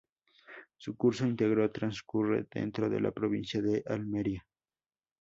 Su curso íntegro transcurre dentro de la provincia de Almería.